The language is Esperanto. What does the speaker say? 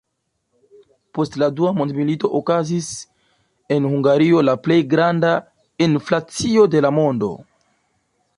Post la Dua Mondmilito okazis en Hungario la plej granda inflacio de la mondo.